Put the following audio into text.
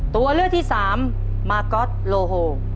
ตัวเลือกที่สามมาก๊อตโลโฮ